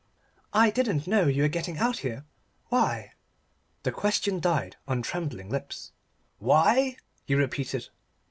"I didn't know you were getting out here. Why " The question died on trembling lips. "Why?" he repeated.